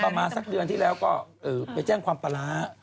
ประมาณสักเดือนที่แล้วก็ไปแจ้งความปลาร้า